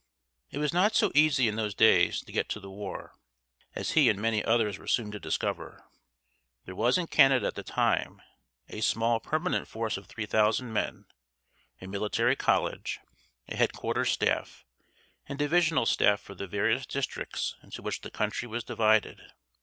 It was not so easy in those days to get to the war, as he and many others were soon to discover. There was in Canada at the time a small permanent force of 3000 men, a military college, a Headquarters staff, and divisional staff for the various districts into which the country was divided.